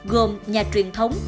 gồm nhà truyền thống